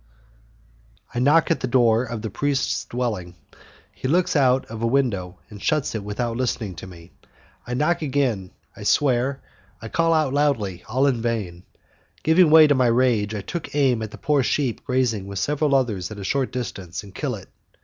I knock at the door of the priest's dwelling. He looks out of a window and shuts it without listening to me, I knock again, I swear, I call out loudly, all in vain, Giving way to my rage, I take aim at a poor sheep grazing with several others at a short distance, and kill it.